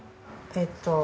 えっと